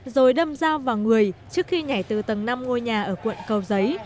rồi đâm dao vào người trước khi nhảy từ tầng năm ngôi nhà ở quận cầu giấy